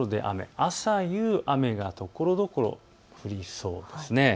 朝夕、雨がところどころ降りそうです。